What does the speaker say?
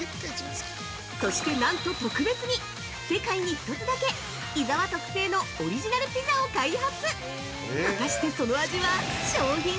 そして、なんと特別に世界に一つだけ伊沢特製のオリジナルピザを開発。